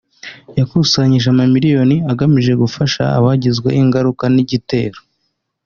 yakusanyije amamiliyoni agamije gufasha abagizweho ingaruka n’igitero